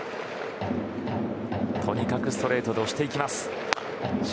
とにかくストレートで押していきます。